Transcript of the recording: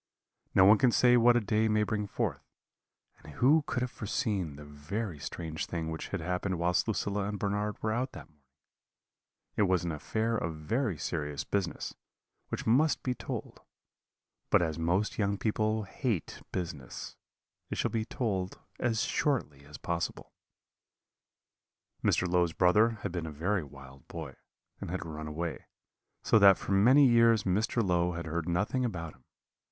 "No one can say what a day may bring forth; and who could have foreseen the very strange thing which had happened whilst Lucilla and Bernard were out that morning? It was an affair of very serious business, which must be told: but as most young people hate business, it shall be told as shortly as possible. "Mr. Low's brother had been a very wild boy, and had run away; so that for many years Mr. Low had heard nothing about him.